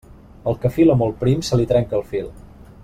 Al que fila molt prim, se li trenca el fil.